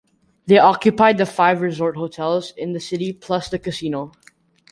They occupied the five resort hotels in the city plus the casino.